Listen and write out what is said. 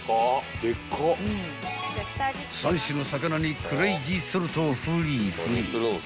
［３種の魚にクレイジーソルトをふりふり］